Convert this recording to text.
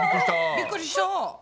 びっくりした！